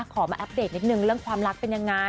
ขอมาอัปเดตนิดนึงเรื่องความรักเป็นยังไง